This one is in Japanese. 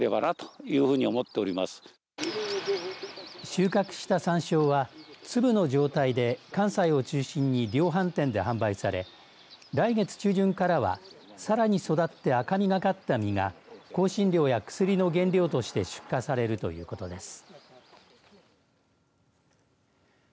収穫したさんしょうは粒の状態で関西を中心に量販店で販売され来月中旬からはさらに育って赤みがかった実が香辛料や薬の原料として出荷されるということです。